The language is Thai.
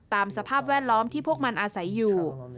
สภาพแวดล้อมที่พวกมันอาศัยอยู่